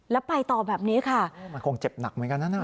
แล้วไปต่อแบบนี้ค่ะมันคงเจ็บหนักเหมือนกันนะ